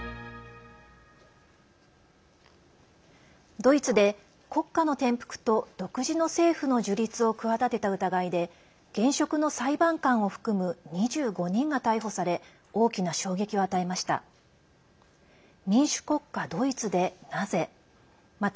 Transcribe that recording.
ドイツで国家の転覆と独自の政府の樹立を企てた疑いで現職の裁判官を含む２５人が逮捕され大きな衝撃を与えました。